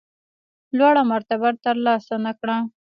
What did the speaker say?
لوړه مرتبه ترلاسه نه کړه.